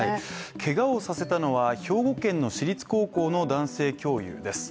けがをさせたのは兵庫県の私立高校の男性教諭です。